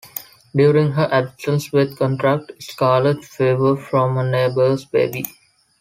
During her absence Beth contracts scarlet fever from a neighbor's baby.